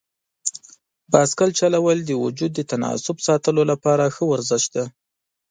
بایسکل چلول د وجود د تناسب ساتلو لپاره ښه ورزش دی.